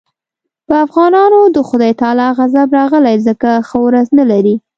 په افغانانو د خدای تعالی غضب راغلی ځکه ښه ورځ نه لري.